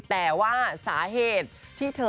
แต่ว่าสาเหตุที่เธอ